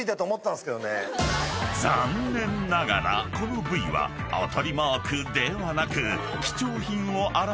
［残念ながらこのＶは当たりマークではなく］